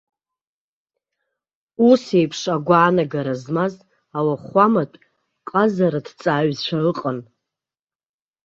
Ус еиԥш агәаанагара змаз ауахәаматә ҟазараҭҵааҩцәа ыҟан.